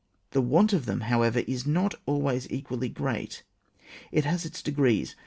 The want of them, however, is not cJways equally g^eat; it has its degrees.